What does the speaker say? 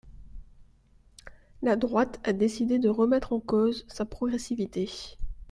La droite a décidé de remettre en cause sa progressivité.